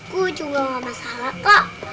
ku juga nggak masalah kak